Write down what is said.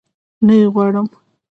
نه يي غواړم